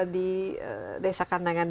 di desa kandangan